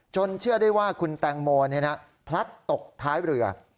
จนเชื่อได้ว่าคุณตังโมนี่นะพลัดตกท้ายเรือ